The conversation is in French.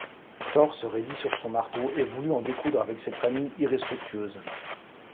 Thor se raidit sur son marteau et voulut en découdre avec cette famille irrespectueuse.